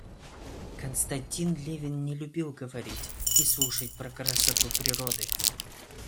Константин Левин не любил говорить и слушать про красоту природы.